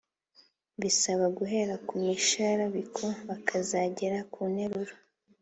bisaba guhera ku misharabiko bakazagera ku nteruro.